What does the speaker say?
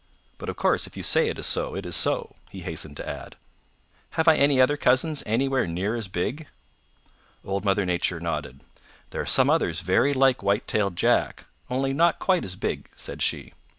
"But of course if you say it is so, it is so," he hastened to add. "Have I any other cousins anywhere near as big?" Old Mother Nature nodded. "There are some others very like White tailed Jack, only not quite as big," said she.